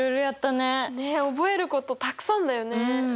ねっ覚えることたくさんだよね。